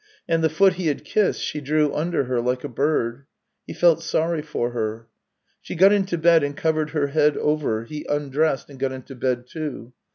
And the foot he had kissed she drew under her like a bird. He felt sorry for her. She got into bed and covered her head over ; he undressed and got into bed. too.